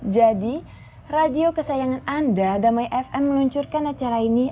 jadi radio kesayangan anda damai fm meluncurkan acara ini